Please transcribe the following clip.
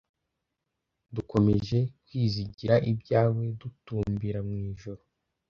dukomedje kwizigira ibyawe dutumbira mu ijuru